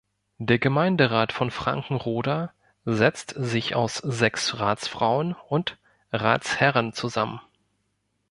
Der Gemeinderat von Frankenroda setzt sich aus sechs Ratsfrauen und Ratsherren zusammen.